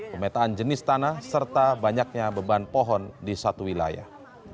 pemetaan jenis tanah serta banyaknya beban pohon di satu wilayah